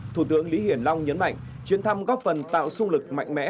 thủ tướng lý hiển long nhấn mạnh chuyến thăm góp phần tạo sung lực mạnh mẽ